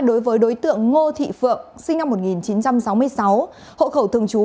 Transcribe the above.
đối với đối tượng ngô thị phượng sinh năm một nghìn chín trăm sáu mươi sáu hộ khẩu thường trú